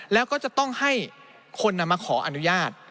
แล้วก็จะต้องให้คนมาขออนุญาต